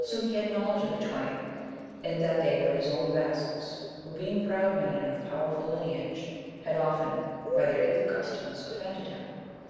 Soon had he know ledge of the twain, in that they were his own vassals, who being proud men and of powerful lineage had often by their evil 'customs offended him.